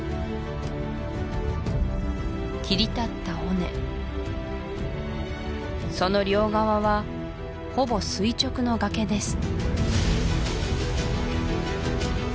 切り立った尾根その両側はほぼ垂直の崖です